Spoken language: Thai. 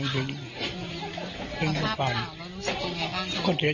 นิสัยดีมากเลย